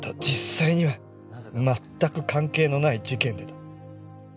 実際にはまったく関係のない事件でだ。